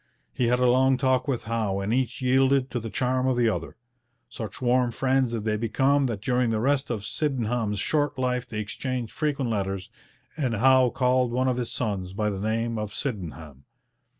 He had a long talk with Howe and each yielded to the charm of the other. Such warm friends did they become that during the rest of Sydenham's short life they exchanged frequent letters, and Howe called one of his sons by the name of Sydenham.